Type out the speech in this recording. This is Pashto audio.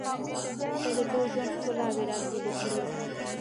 • ته د ټول ژوند ښکلاوې راټولې کړې.